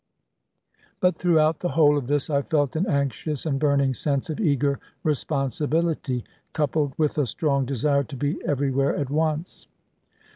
But throughout the whole of this, I felt an anxious and burning sense of eager responsibility, coupled with a strong desire to be everywhere at once.